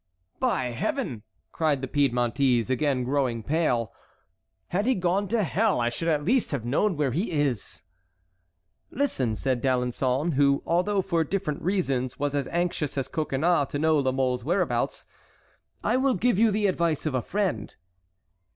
"By Heaven!" cried the Piedmontese, again growing pale, "had he gone to hell I should at least have known where he is." "Listen," said D'Alençon, who, although for different reasons, was as anxious as Coconnas to know La Mole's whereabouts, "I will give you the advice of a friend."